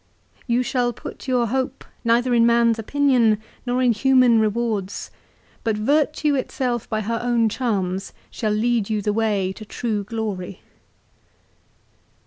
5 " You shall put your hope neither in man's opinion nor in human rewards ; but virtue itself by her own charms shall lead you the way to true glory."